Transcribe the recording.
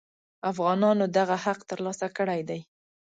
افغانانو دغه حق تر لاسه کړی دی.